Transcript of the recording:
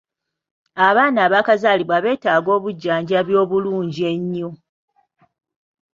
Abaana abaakazaalibwa beetaaga obujjanjabi obulungi ennyo.